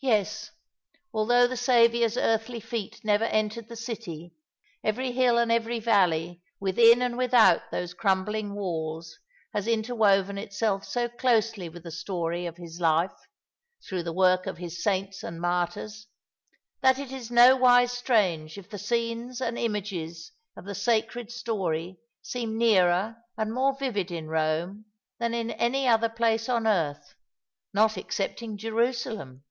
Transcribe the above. Yes, although the Saviour's earthly feet never entered [the city, every hill and every valley within and without those crumbling walls has interw^oven itself so closely with the story of His life — through the work of Hia saints and martyrs— that it is nowise strange if the scenes and images of the sacred story seem nearer and more vivid in Eome than in any other place on earth, not excepting Jerusalem.